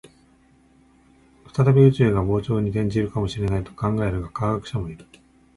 再び宇宙が膨張に転じるかもしれないと考える科学者もいる